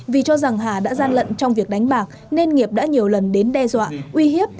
vì cho rằng hà đã gian lận trong việc đánh bạc nên nghiệp đã nhiều lần đến đe dọa uy hiếp